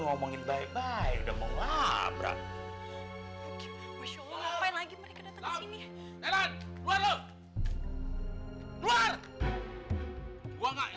ngomongin baik baik dan mengabrak masya allah lagi mereka datang sini luar lu luar gua nggak